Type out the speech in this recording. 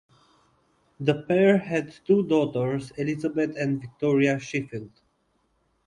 The pair had two daughters Elizabeth and Victoria Sheffield.